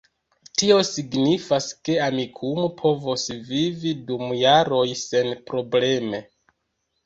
Tio signifas, ke Amikumu povos vivi dum jaroj senprobleme